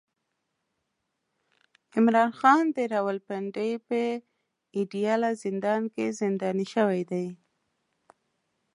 عمران خان د راولپنډۍ په اډياله زندان کې زنداني شوی دی